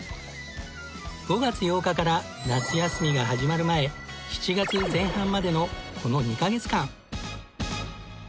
５月８日から夏休みが始まる前７月前半までのこの２カ月間。